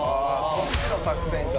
そっちの作戦か。